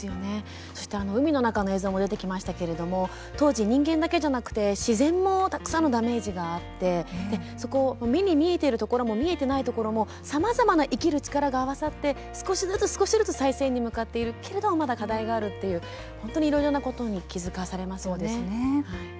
海の中の映像も出てきましたけれど当時、人間だけじゃなくて自然もたくさんのダメージがあって目に見えているところも、見えていないところもさまざまな生きる力が合わさって少しずつ少しずつ再生に向かっているけれど、課題があるという本当にいろいろなことに気付かされますよね。